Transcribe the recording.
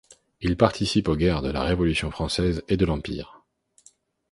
Il participe aux guerres de la Révolution française et de l'Empire.